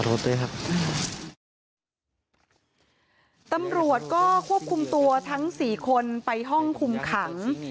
ขอโทษด้วยครับตำรวจก็ควบคุมตัวทั้งสี่คนไปห้องคุมขัง